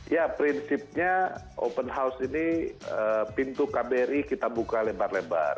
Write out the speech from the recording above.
ya prinsipnya open house ini pintu kbri kita buka lebar lebar